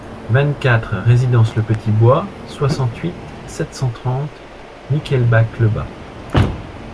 vingt-quatre résidence le Petit Bois, soixante-huit, sept cent trente, Michelbach-le-Bas